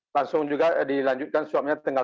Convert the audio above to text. langsung juga dilanjutkan suapnya tanggal sembilan